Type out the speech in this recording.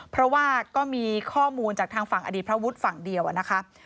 เพราะว่าก็มีข้อมูลจากทางฝั่งอดีตพระวุฒิฝั่งเดียวนะคะ